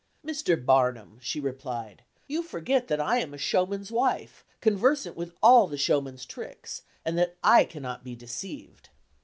"Mr. Barnum," she replied, "you forget that I am a showman's wife, conversant with all the showman's tricks, and that I cannot be deceived."